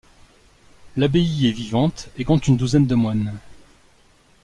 L’abbaye est vivante et compte une douzaine de moines.